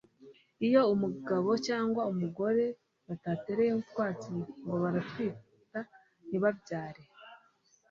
iyo umugabo cyangwa umugore badatereyeho utwatsi, ngo bararitwitwa ntibabyare